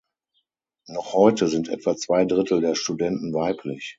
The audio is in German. Noch heute sind etwa zwei Drittel der Studenten weiblich.